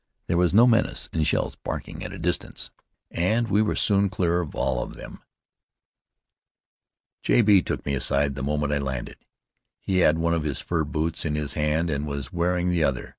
There was no menace in the sound of shells barking at a distance, and we were soon clear of all of them. J. B. took me aside the moment I landed. He had one of his fur boots in his hand and was wearing the other.